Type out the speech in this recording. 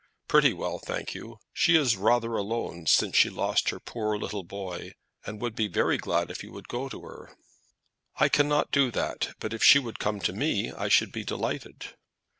"Pretty well, thank you. She is rather lonely since she lost her poor little boy, and would be very glad if you would go to her." "I cannot do that; but if she would come to me I should be delighted."